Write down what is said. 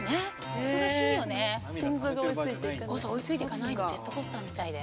追いついていかないのジェットコースターみたいで。